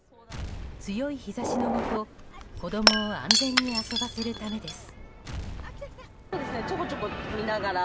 強い日差しの下子供を安全に遊ばせるためです。